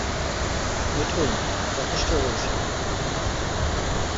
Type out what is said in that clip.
মিঠুন, যথেষ্ট হয়েছে।